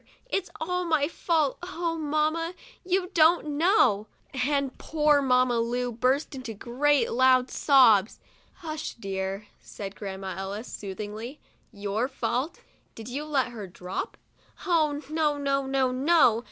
It's all my fault; oh, mamma, you don't know!" and poor Mamma Lu burst into great loud sobs. "Hush, dear," said Grandma Ellis, soothingly, " Your fault? Did you let her drop ?" 'Oh, no, no, no!